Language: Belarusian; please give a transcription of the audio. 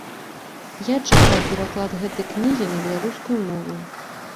Я чакаў пераклад гэтай кнігі на беларускую мову.